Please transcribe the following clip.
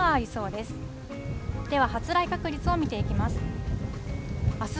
では発雷確率を見ていきます。